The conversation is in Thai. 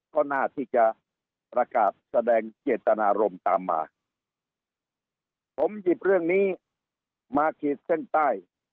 ก็น่าที่จะประกาศแสดงเจตนารมณ์ตามมาผมหยิบเรื่องนี้มาขีดเส้นใต้